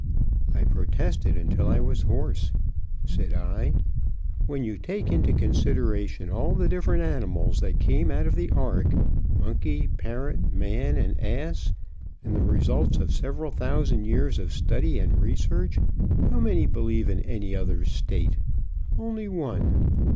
I protested until I was hoarse. Said I, "When you take into consideration all the different animals that came out of the ark, monkey, parrot, man and ass, and the results of several thousand years of study and research, how many believe in any other state? Only one.